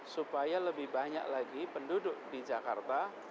supaya lebih banyak lagi penduduk di jakarta